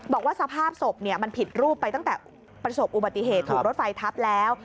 บอกว่าสภาพศพมันผิดรูปไปตั้งแต่ประสบอุบัติเหตุถูกรถไฟทับแล้ว